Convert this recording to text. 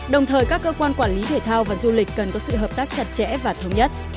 đồng thời các cơ quan quản lý thể thao và du lịch cần có sự hợp tác chặt chẽ và thống nhất